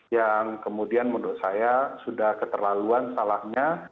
yang kemudian menurut saya sudah keterlaluan salahnya